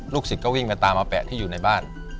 ศิษย์ก็วิ่งไปตามมาแปะที่อยู่ในบ้าน